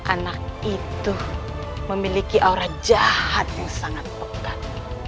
anak itu memiliki aura jahat yang sangat pekat